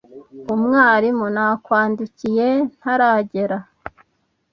Umwarimu nakwandikiye ntaragera.